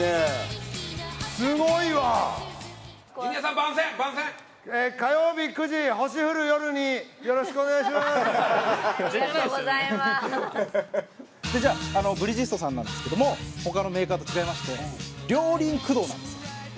松橋：じゃあブリヂストンさんなんですけども他のメーカーと違いまして両輪駆動なんです。